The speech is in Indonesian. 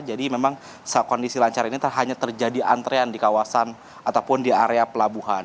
jadi memang kondisi lancar ini hanya terjadi antrean di kawasan ataupun di area pelabuhan